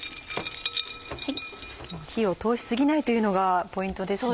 火を通し過ぎないというのがポイントですね。